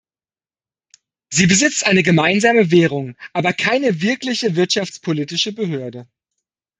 Sie besitzt eine gemeinsame Währung, aber keine wirkliche wirtschaftspolitische Behörde.